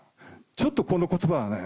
ちょっとこの言葉はね